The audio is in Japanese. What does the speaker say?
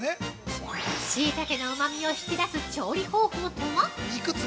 ◆しいたけのうまみを引き出す調理法とは！？